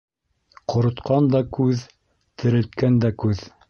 Ҡоротҡан да күҙ, терелткән дә күҙ.